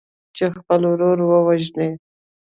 چې خپل ورور ووژني.